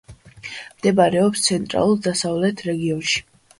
მდებარეობს ცენტრალურ-დასავლეთ რეგიონში.